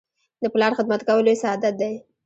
د پلار خدمت کول لوی سعادت دی.